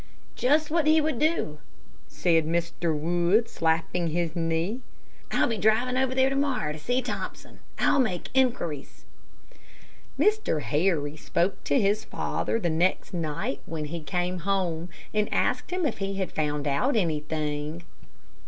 "Just what he would do," said Mr. Wood, slapping his knee. "I'll be driving over there to morrow to see Thompson, and I'll make inquiries." Mr. Harry spoke to his father the next night when he came home, and asked him if he had found out anything.